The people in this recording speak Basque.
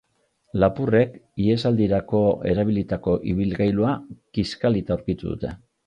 Lapurrek ihesaldirako erabilitako ibilgailua kiskalita aurkitu dute.